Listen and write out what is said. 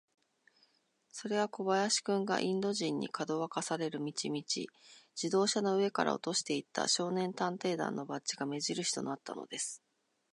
それは小林君が、インド人に、かどわかされる道々、自動車の上から落としていった、少年探偵団のバッジが目じるしとなったのです。